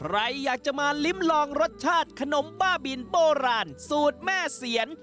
ใครอยากจะมาลิ้มลองรสชาติขนมบ้าบินโบราณสูตรแม่เสียน